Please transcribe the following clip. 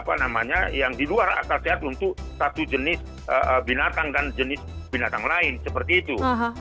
apa namanya yang di luar akal sehat untuk satu jenis binatang dan jenis binatang lain seperti itu